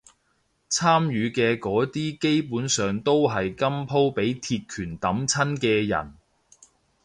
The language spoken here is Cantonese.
參與嘅嗰啲基本上都係今鋪畀鐵拳揼親嘅人